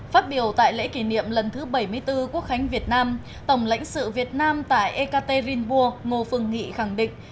phát biểu tại lễ kỷ niệm lần thứ bảy mươi bốn quốc khánh việt nam tổng lãnh sự việt nam tại ekaterinburg ngô phương nghị khẳng định